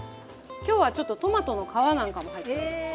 今日はちょっとトマトの皮なんかも入ってるんです。